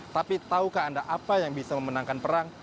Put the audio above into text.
tapi tahukah anda apa yang bisa memenangkan perang